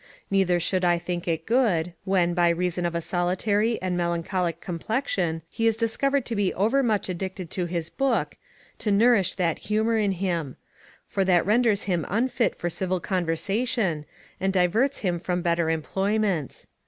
Neither should I think it good, when, by reason of a solitary and melancholic complexion, he is discovered to be overmuch addicted to his book, to nourish that humour in him; for that renders him unfit for civil conversation, and diverts him from better employments.